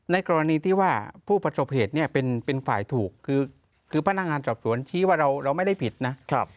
กรณีที่ว่าผู้ประสบเหตุเนี่ยเป็นฝ่ายถูกคือพนักงานสอบสวนชี้ว่าเราไม่ได้ผิดนะ